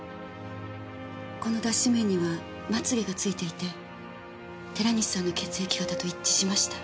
この脱脂綿にはまつ毛がついていて寺西さんの血液型と一致しました。